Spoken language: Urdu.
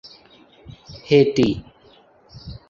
ہیٹی